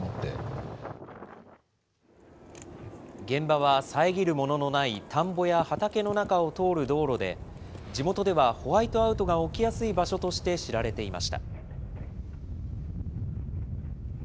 現場は遮るもののない田んぼや畑の中を通る道路で、地元ではホワイトアウトが起きやすい場所として知られていました。